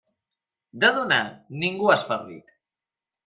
De donar, ningú es fa ric.